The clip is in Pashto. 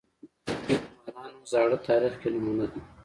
د مسلمانانو زاړه تاریخ کې نمونه ده